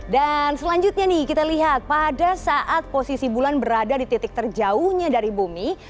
dan selanjutnya nih kita lihat pada saat posisi bulan berada di titik terjauhnya dari bumi